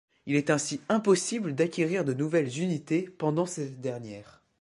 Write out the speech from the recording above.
Il est ainsi impossible d’acquérir de nouvelles unités pendant ces dernières.